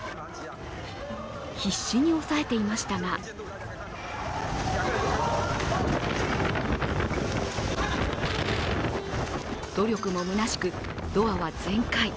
必死に押さえていましたが努力も虚しくドアは全開。